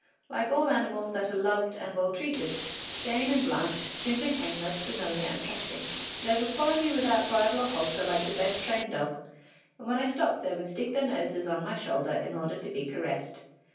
Like all animals that are loved and well treated, Jane and Blanche soon became most familiar and trusting. They would follow me without bridle or halter like the best trained dog, and when I stopped they would stick their noses on my shoulder in order to be caressed.